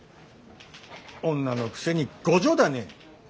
女のくせに強情だね。